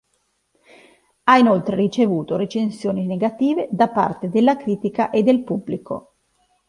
Ha inoltre ricevuto recensioni negative da parte della critica e del pubblico.